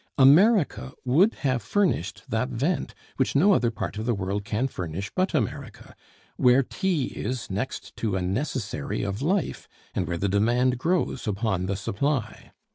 America would have furnished that vent which no other part of the world can furnish but America, where tea is next to a necessary of life and where the demand grows upon the supply.